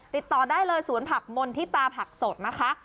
ติดต่อได้เลยสวนผักมนธิตาผักสดนะคะ